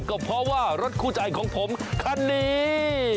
ก็เพราะว่ารถคู่ใจของผมคันนี้